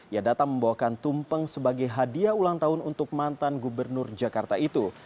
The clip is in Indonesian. ia datang membawakan tumpeng sebagai hadiah ulang tahun untuk mantan gubernur jakarta itu